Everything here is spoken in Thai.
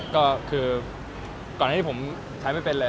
ก็คือก่อนที่ผมใช้ไม่เป็นเลย